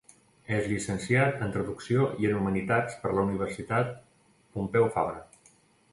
És llicenciat en Traducció i en Humanitats per la Universitat Pompeu Fabra.